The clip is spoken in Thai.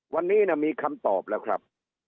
วันนี้มีคำตอบแล้วครับ